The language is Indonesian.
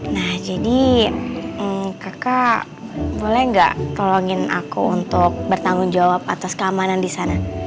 nah jadi kakak boleh nggak tolongin aku untuk bertanggung jawab atas keamanan di sana